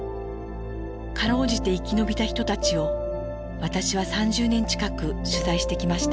かろうじて生き延びた人たちを私は３０年近く取材してきました。